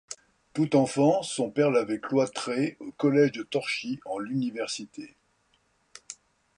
Tout enfant, son père l’avait cloîtré au collège de Torchi en l’Université.